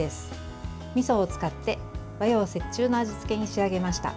みそを使って和洋折衷の味付けに仕上げました。